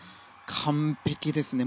完璧ですね。